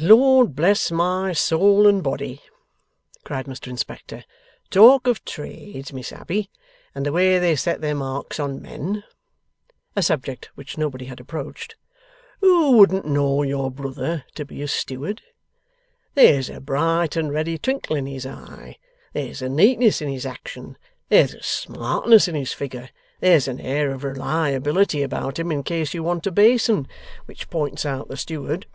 'Lord bless my soul and body!' cried Mr Inspector. 'Talk of trades, Miss Abbey, and the way they set their marks on men' (a subject which nobody had approached); 'who wouldn't know your brother to be a Steward! There's a bright and ready twinkle in his eye, there's a neatness in his action, there's a smartness in his figure, there's an air of reliability about him in case you wanted a basin, which points out the steward!